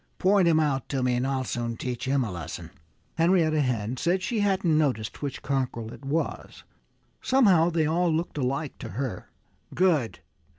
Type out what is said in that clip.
Point him out to me and I'll soon teach him a lesson." Henrietta Hen said that she hadn't noticed which cockerel it was. Somehow they all looked alike to her. "Good!"